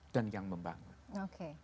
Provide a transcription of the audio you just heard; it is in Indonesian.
dan yang membangun